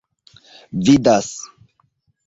vidas